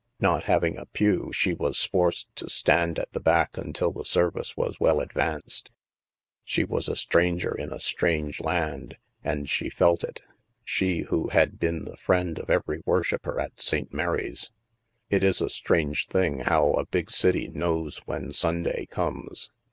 Not having a pew, she was forced to stand at the tjack until the service was well advanced. She was a stranger in a strange land, and she felt it ; she, who had been the friend of every worshipper at St. Mary's. It is a strange thing how a big city knows when Sunday comes.